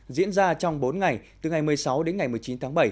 diễn ra trong bốn ngày từ ngày một mươi sáu đến ngày một mươi chín tháng bảy